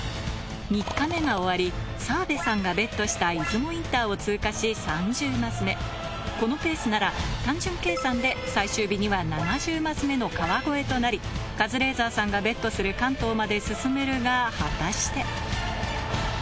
３日目が終わり澤部さんがＢＥＴした出雲インターを通過し３０マス目このペースなら単純計算で最終日には７０マス目の川越となりカズレーザーさんがＢＥＴする関東まで進めるが果たして？